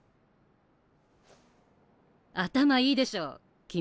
頭いいでしょ君。